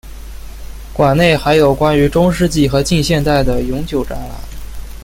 馆内还有关于中世纪和近现代的永久展览。